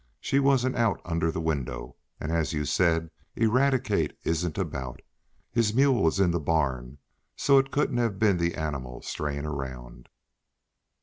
"She wasn't out under the window, and, as you said, Eradicate isn't about. His mule is in the barn, so it couldn't have been the animal straying around."